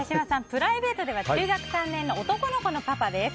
プライベートでは中学３年の男の子のパパです。